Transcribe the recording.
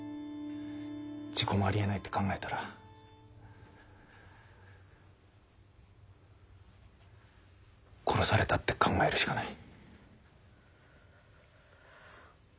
事故もありえないって考えたら殺されたって考えるしかない。